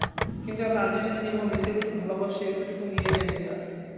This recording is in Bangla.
কিন্তু এতে আর্জেন্টিনা কিংবা মেসির প্রতি ভালোবাসা এতটুকু মিইয়ে যায়নি তার।